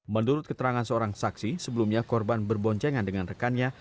menurut keterangan seorang saksi sebelumnya korban berboncengan dengan rekannya